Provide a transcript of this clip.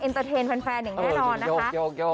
เตอร์เทนแฟนอย่างแน่นอนนะคะ